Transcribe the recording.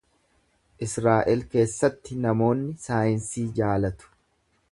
Israa’el keessatti namoonni saayinsii jaalatu.